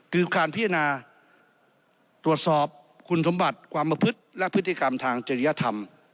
คือการพิจารณาตรวจสอบคุณสมบัติความประพฤติและพฤติกรรมทางจริยธรรม